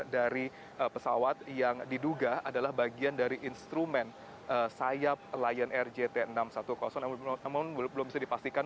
dari pesawat yang diduga adalah bagian dari instrumen sayap lion air jt enam ratus sepuluh namun belum bisa dipastikan